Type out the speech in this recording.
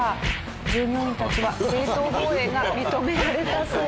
従業員たちは正当防衛が認められたそうです。